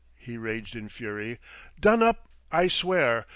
he raged in fury. "Done up, I swear!